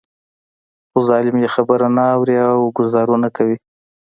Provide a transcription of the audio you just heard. خو ظالم يې خبره نه اوري او ګوزارونه کوي.